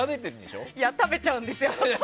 食べちゃうんですよ。